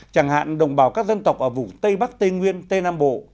chẳng hạn đồng bào các dân tộc ở vùng tây bắc tây nguyên tây nam bộ